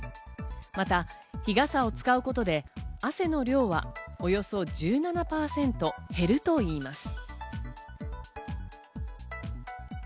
また日傘を使うことで、汗の量はおよそ１７％減るといいます。